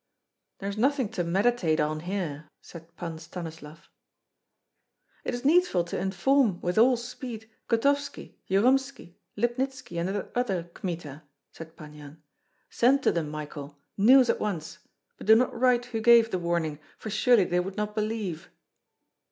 "There is nothing to meditate on here," said Pan Stanislav. "It is needful to inform with all speed Kotovski, Jyromski, Lipnitski, and that other Kmita," said Pan Yan. "Send to them, Michael, news at once; but do not write who gave the warning, for surely they would not believe."